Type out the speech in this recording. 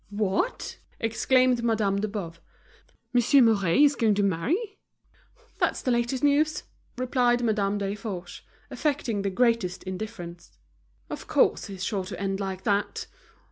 "What!" exclaimed Madame de Boves, "Monsieur Mouret is going to many?" "That's the latest news," replied Madame Desforges, affecting the greatest indifference. "Of course, he's sure to end like that."